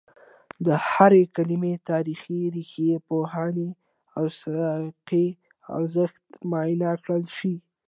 د هرې کلمې تاریخي، ریښه پوهني او سیاقي ارزښت معاینه کړل شي